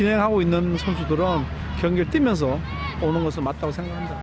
tapi mereka sudah mengambilgil di sini di